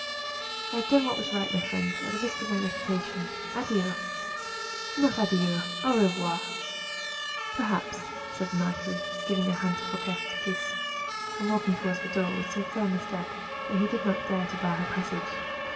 "I have done what was right, my friend, at the risk of my reputation. Adieu!" "Not adieu, au revoir!" "Perhaps," said the marquise, giving her hand to Fouquet to kiss, and walking towards the door with so firm a step, that he did not dare to bar her passage.